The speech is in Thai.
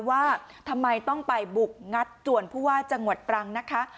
ว่าทำไมต้องไปบุกงัดจวนผู้ว่าจังหวัดตรังนะคะ